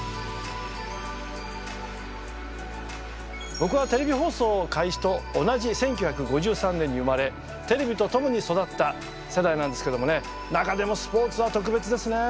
僕はテレビ放送開始と同じ１９５３年に生まれテレビとともに育った世代なんですけどもね中でもスポーツは特別ですね。